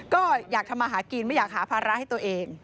ก็อยากทำมาหากินไม่อยากหาภาระให้ตัวเอง